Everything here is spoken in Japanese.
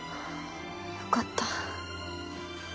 よかった。